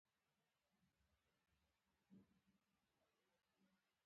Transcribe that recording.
لږه شېبه وروسته دوه نور کسان هم راغلل.